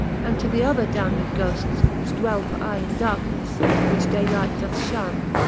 And to the other damned ghofts, which dwell For aye in darkenefle, which day light doth ftionne.